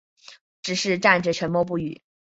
只是站着沉默不语